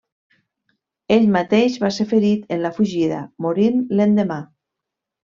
Ell mateix va ser ferit en la fugida, morint l'endemà.